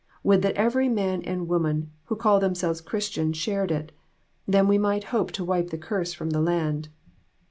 Would that every man and woman who call themselves Christians shared it. Then we might hope to wipe the curse from the land."